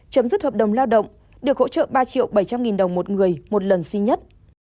chấm dứt hợp đồng lao động được hỗ trợ ba triệu bảy trăm linh nghìn đồng một người một lần duy nhất